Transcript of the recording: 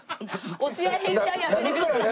押し合いへし合いやめてください。